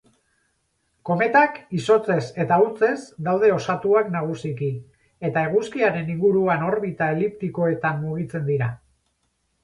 Kometak izotzez eta hautsez daude osatuak nagusiki, eta eguzkiaren inguruan orbita eliptikoetan mugitzen dira.